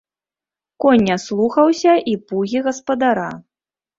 Конь не слухаўся і пугі гаспадара.